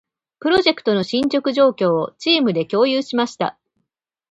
プロジェクトの進捗状況を、チームで共有しました。